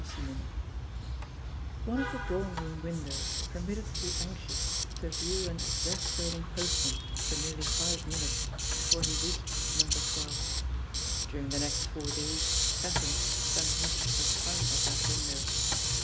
CHAPTER IVi One of the drawing room windows permitted the anxious to view an exasperating postman for nearly five minutes before he readied No, 12. During the next four days Tatham spent much of his time at that window.